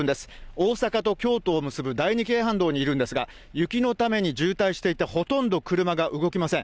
大阪と京都を結ぶ第二京阪道にいるんですが、雪のために渋滞していて、ほとんど車が動きません。